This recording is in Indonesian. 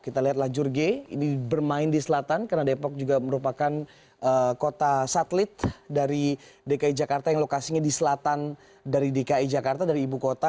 kita lihat lajur g ini bermain di selatan karena depok juga merupakan kota satelit dari dki jakarta yang lokasinya di selatan dari dki jakarta dari ibu kota